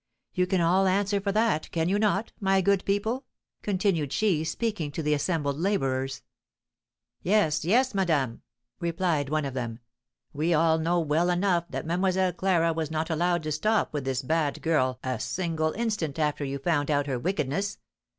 You can all answer for that, can you not, my good people?" continued she, speaking to the assembled labourers. "Yes, yes, madame," replied one of them, "we all know well enough that Mlle. Clara was not allowed to stop with this bad girl a single instant after you found out her wickedness.